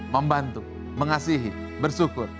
membantu mengasihi bersyukur